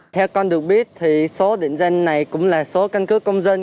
theo con được biết thì số định danh này cũng là số căn cứ công dân